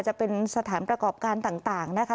จะเป็นสถานประกอบการต่างนะคะ